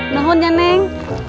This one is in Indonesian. nuhun ya neng